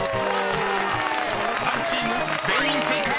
［３チーム全員正解！